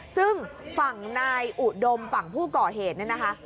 ซึ่งฝั่งนายอุดมฝั่งผู้ก่อเหตุเนี่ยนะคะ